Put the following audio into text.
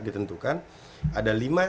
ditentukan ada lima